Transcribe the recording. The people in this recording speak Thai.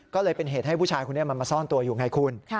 ก็เลยเป็นเหตุให้ผู้ชายคนนี้มันมาซ่อนตัวอยู่ไงคุณ